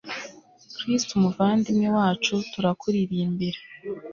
kristu muvandimwe wacu; turakuririmbira